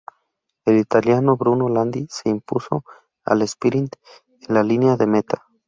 El italiano Bruno Landi se impuso al esprint en la línea de meta.